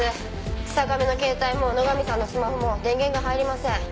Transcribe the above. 日下部の携帯も野上さんのスマホも電源が入りません。